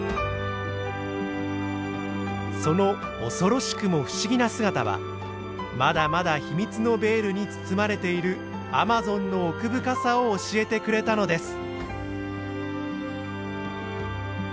その恐ろしくも不思議な姿はまだまだ秘密のベールに包まれているアマゾンの奥深さを教えてくれたのです。